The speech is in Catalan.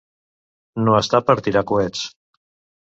No estar per tirar coets.